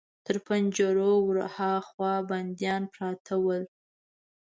تر پنجرو ور هاخوا بنديان پراته ول.